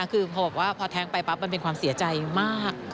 คือพอบอกว่าพอแท้งไปปั๊บมันเป็นความเสียใจมาก